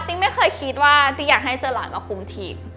ไม่เคยคิดว่าติ๊กอยากให้เจอหลายมาคุมทีม